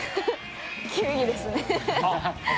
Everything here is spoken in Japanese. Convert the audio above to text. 球技ですねああ